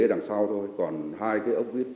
ở đằng sau thôi còn hai cái ốc vít